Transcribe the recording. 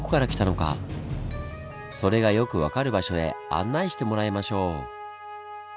それがよく分かる場所へ案内してもらいましょう。